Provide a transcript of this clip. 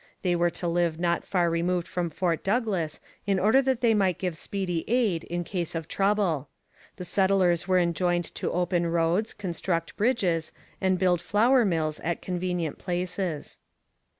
They were to live not far removed from Fort Douglas, in order that they might give speedy aid in case of trouble. The settlers were enjoined to open roads, construct bridges, and build flour mills at convenient places.